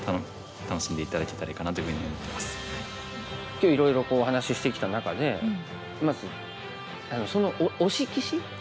今日いろいろお話ししてきた中でまず推し棋士。